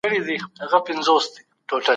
د شهیدانو کورنیو سره مالي مرستي کیدلې.